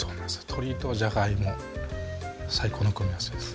鶏とじゃがいも最高の組み合わせです